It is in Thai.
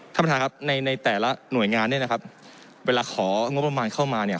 ท่านประธานครับในในแต่ละหน่วยงานเนี่ยนะครับเวลาของงบประมาณเข้ามาเนี่ย